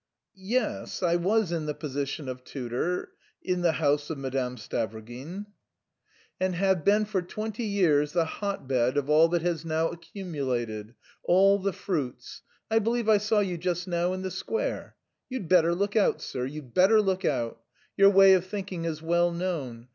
"Yes, I was in the position... of tutor... in the house of Madame Stavrogin." "And have been for twenty years the hotbed of all that has now accumulated... all the fruits.... I believe I saw you just now in the square. You'd better look out, sir, you'd better look out; your way of thinking is well known.